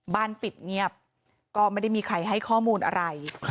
ปิดเงียบก็ไม่ได้มีใครให้ข้อมูลอะไร